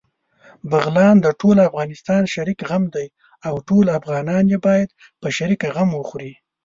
بغلان دټول افغانستان شريک غم دی، او ټول افغانان يې باېد په شريکه غم وخوري